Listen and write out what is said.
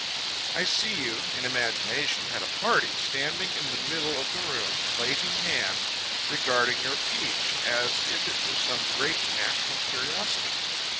I see you, in imagination, at a party, standing in the middle of the room, plate in hand, regarding your peach as if it were some great natural curiosity.